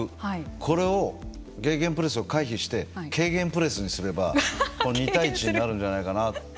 これをゲーゲンプレスを回避して軽減プレスにすれば２対１になるんじゃないかと。